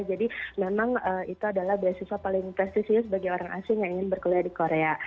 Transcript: jadi memang itu adalah beasiswa paling prestisius bagi orang asing yang ingin berkuliah di korea